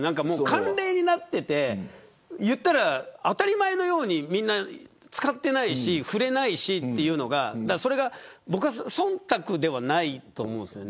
慣例になっていて当たり前のようにみんな使っていないし触れないしというのが僕は忖度ではないと思うんです。